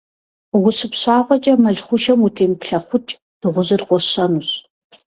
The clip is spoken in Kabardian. УщыпщафӀэкӀэ мэл хъушэм утемыплъэкъукӀ: Дыгъужьыр къощэнущ.